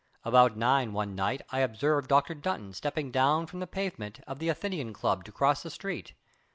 About 9 one night I observed Dr. Dunton stepping down from the pavement of the Athenaeum Club to cross the street.